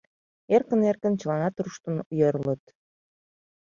Эркын-эркын чыланат руштын йӧрлыт.